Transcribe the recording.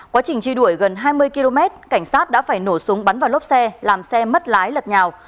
quá trình truy đuổi gần hai mươi km cảnh sát đã phải nổ súng bắn vào lốp xe làm xe mất lái lật nhào